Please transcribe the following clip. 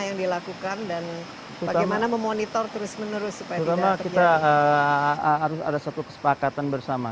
yang dilakukan dan bagaimana memonitor terus menerus supaya kita harus ada satu kesepakatan bersama